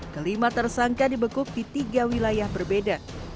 kelima tersangka dibekuk di tiga wilayah berbeda